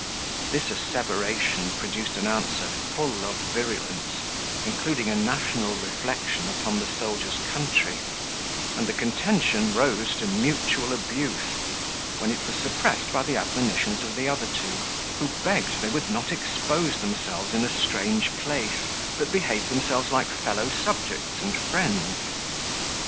This asseveration produced an answer full of virulence, including a national reflection upon the soldier's country; and the contention rose to mutual abuse, when it was suppressed by the admonitions of the other two, who begged they would not expose themselves in a strange place, but behave themselves like fellow subjects and friends.